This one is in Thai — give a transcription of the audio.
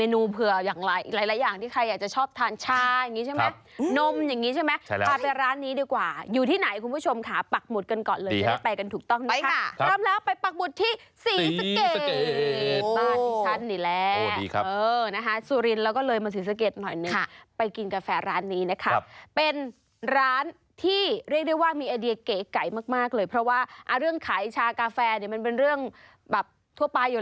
ก็คือร้านที่เรียกได้ว่ามีเอาเดียเก๋ใหม่มากเลยเพราะว่าเรื่องขายชากาแฟมันเป็นเรื่องแบบทั่วไปอยู่